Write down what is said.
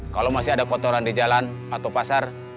kalau masih ada kotoran di jalan atau pasar